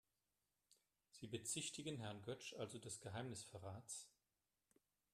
Sie bezichtigen Herrn Götsch also des Geheimnisverrats?